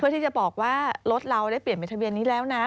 ที่จะบอกว่ารถเราได้เปลี่ยนเป็นทะเบียนนี้แล้วนะ